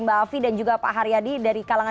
mbak afi dan juga pak haryadi dari kalangan